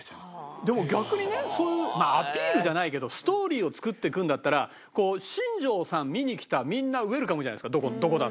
でも逆にねそういうまあアピールじゃないけどストーリーを作っていくんだったらこう新庄さん見に来たみんなウェルカムじゃないですかどこだって。